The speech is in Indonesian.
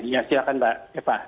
ya silakan pak eva